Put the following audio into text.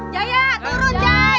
jaya turun jaya